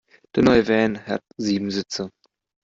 Der neue Van hat sieben Sitze.